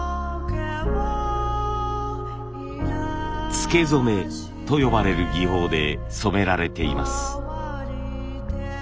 「つけ染め」と呼ばれる技法で染められています。